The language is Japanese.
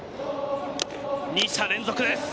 ２者連続です。